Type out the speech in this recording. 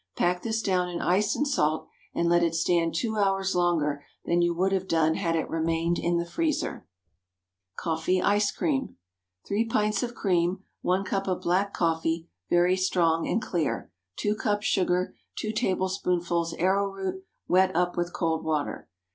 Pack this down in ice and salt, and let it stand two hours longer than you would have done had it remained in the freezer. COFFEE ICE CREAM. 3 pints of cream. 1 cup of black coffee—very strong and clear. 2 cups sugar. 2 tablespoonfuls arrowroot, wet up with cold water.